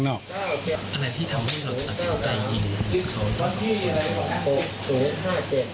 โฉห้าเจจ